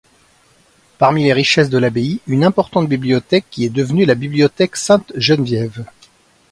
Parmi les richesses de l'abbaye, une importante bibliothèque qui est devenue la bibliothèque Sainte-Geneviève.